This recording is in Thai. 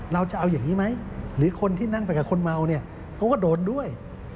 เราจะเอาอย่างนี้ไหมหรือคนที่นั่งไปกับคนเมาเนี่ยเขาก็โดนด้วย